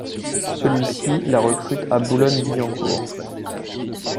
Celui-ci la recrute à Boulogne-Billancourt.